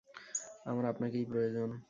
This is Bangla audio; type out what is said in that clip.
আমার আপনাকেই প্রয়োজন।